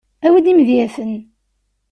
Awi-d imedyaten.